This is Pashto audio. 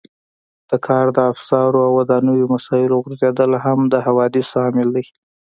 د کار د افزارو او ودانیزو مسالو غورځېدل هم د حوادثو عامل دی.